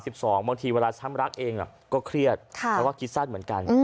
บางทีเวลาช้ำรักเองก็เครียดเพราะว่าคิดสั้นเหมือนกัน